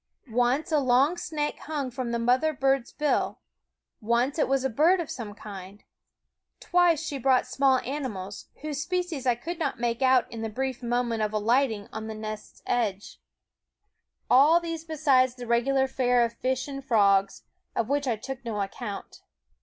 Once a long snake hung from the mother bird's bill; once it was a bird of some kind ; twice she brought small ani mals, whose species I could not make out in the brief moment of alighting on the nest's edge, all these besides the regular fare of fish and frogs, of which I took no account.